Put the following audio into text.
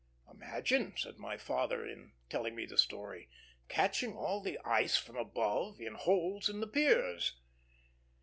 "Imagine," said my father, in telling me the story, "catching all the ice from above in holes in the piers."